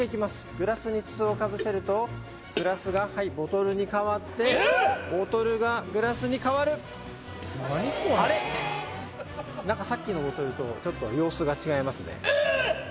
グラスに筒をかぶせるとグラスがボトルにかわってボトルがグラスにかわるあれっ何かさっきのボトルとちょっと様子が違いますね